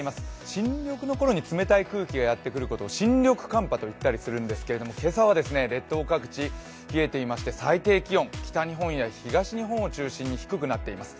新緑のころに冷たい空気がやってくることを新緑寒波と言ったりするんですが今朝は列島各地、冷えていまして最低気温、北日本や東日本を中心に低くなっています。